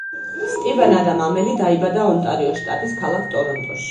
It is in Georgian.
სტივენ ადამ ამელი დაიბადა ონტარიოს შტატის ქალაქ ტორონტოში.